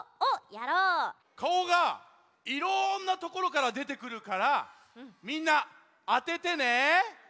かおがいろんなところからでてくるからみんなあててね。